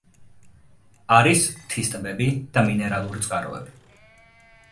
არის მთის ტბები და მინერალური წყაროები.